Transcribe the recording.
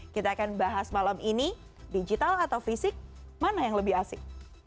kita akan bahas malam ini digital atau fisik mana yang lebih asik